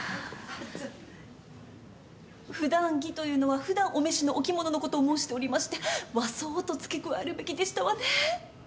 普段着というのは普段お召しのお着物のことを申しておりまして和装と付け加えるべきでしたわね。